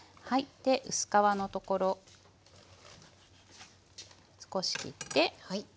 で薄皮のところ少し切って。